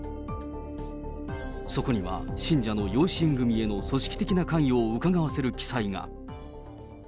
そこには信者の養子縁組への組織的な関与をうかがわせる記載が。